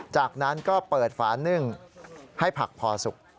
จากนั้นก็เปิดฝานึ่งให้ผักพอสุก